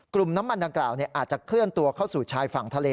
กลุ่มน้ำมันดังกล่าวอาจจะเคลื่อนตัวเข้าสู่ชายฝั่งทะเล